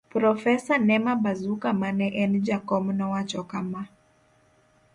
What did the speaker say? Profesa Nema Bazuka ma ne en jakom nowacho kama: